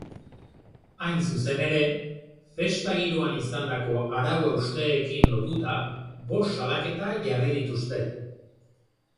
Hain zuzen ere, festa-giroan izandako arau-hausteekin lotuta, bost salaketa jarri dituzte.